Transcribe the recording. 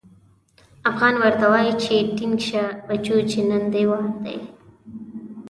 افغان ورته وايي چې ټينګ شه بچو چې نن دې وار دی.